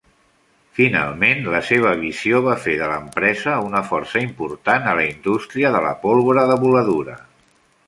Finalment, la seva visió va fer de l'empresa una força important a la indústria de la pólvora de voladura.